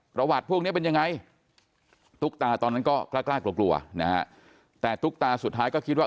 ประวัติพวกนี้เป็นยังไงตุ๊กตาตอนนั้นก็กล้ากลัวกลัวนะฮะแต่ตุ๊กตาสุดท้ายก็คิดว่า